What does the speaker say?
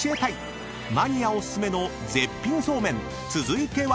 ［続いては］